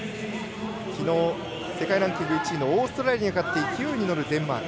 きのう、世界ランキング１位のオーストラリアに勝って勢いに乗るデンマーク。